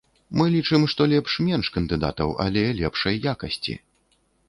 Мы лічым, што лепш менш кандыдатаў, але лепшай якасці.